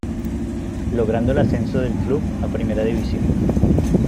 Logrando el ascenso del Club a primera división.